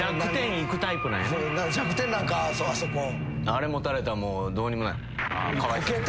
あれ持たれたらもうどうにもならん。